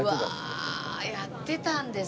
うわやってたんですね。